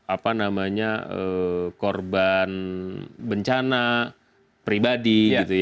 apa namanya korban bencana pribadi